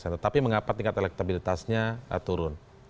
tetapi mengapa tingkat elektabilitasnya turun